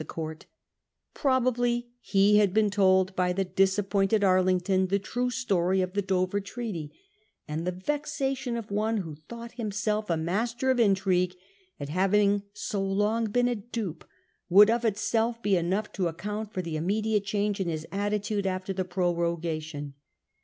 tlie court Probably he had been told by the disappointed Arlington the true story of the Dover Treaty ; and the vexation of one who thought himself a master of intrigue at having so long been a dupe, would of itself be enough to account for the immediate change in his attitude after the prorogation.